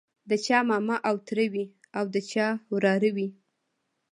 د چا ماما او تره وي او د چا وراره وي.